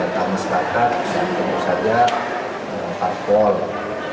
dan tamu setakat tentu saja lempar bola